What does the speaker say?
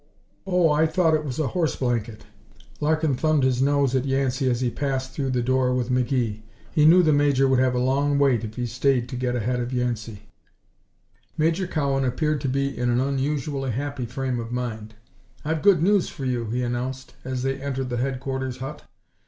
"Oh, I thought it was a horse blanket." Larkin thumbed his nose at Yancey as he passed through the door with McGee. He knew the Major would have a long wait if he stayed to get ahead of Yancey. Major Cowan appeared to be in an unusually happy frame of mind. "I've good news for you," he announced as they entered the headquarters hut.